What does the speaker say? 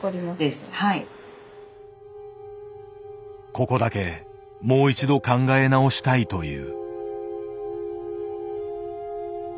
ここだけもう一度考え直したいという。